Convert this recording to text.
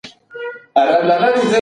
مخکي هڅه وروسته بري